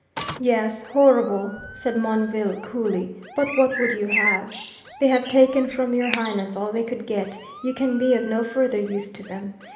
"Yes, horrible," said Monville, coolly, "but what would you have? They have taken from your Highness all they could get, you can be of no further use to them.